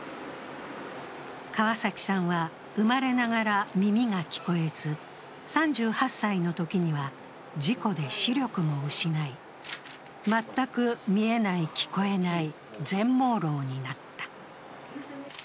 川崎さんは生まれながら耳が聞こえず、３８歳のときには事故で視力も失い、全く見えない聞こえない全盲ろうになった。